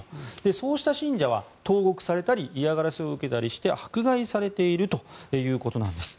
そうした信者は投獄されたり嫌がらせを受けたりして迫害されているということなんです。